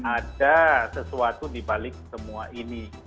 ada sesuatu dibalik semua ini